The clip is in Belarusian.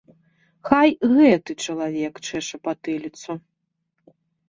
Хай гэты чалавек чэша патыліцу.